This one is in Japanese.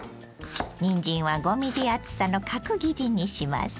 にんじんは５ｍｍ厚さの角切りにします。